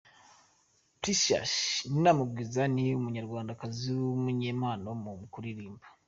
Precious Nina Mugwiza ni umunyarwandakazi w'umunyempano mu kuririmba.